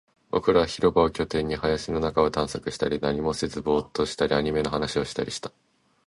僕らは広場を拠点に、林の中を探索したり、何もせずボーっとしたり、アニメの話をしたり